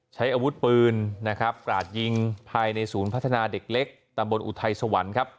ใช้อาวุธปืนนะครับกราดยิงภายในศูนย์พัฒนาเด็กเล็กตำบลอุทัยสวรรค์ครับ